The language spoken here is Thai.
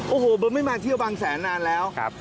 โอ้โหไม่มาเที่ยวบางแสนนานแล้วครับ